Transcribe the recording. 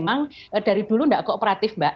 memang dari dulu tidak kooperatif mbak